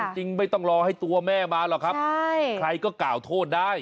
จริงไม่ต้องรอให้ตัวแม่มาหรอกครับใครก็กล่าวโทษได้